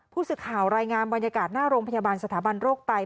ผู้สื่อข่าวรายงานบรรยากาศหน้าโรงพยาบาลสถาบันโรคไต